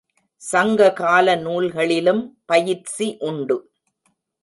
சங்ககால நூல்களிலும் பயிற்சி உண்டு.